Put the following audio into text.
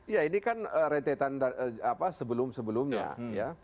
ya ini kan rentetan sebelum sebelumnya ya